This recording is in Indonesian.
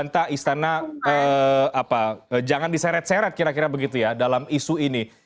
istana jangan diseret seret kira kira begitu ya dalam isu ini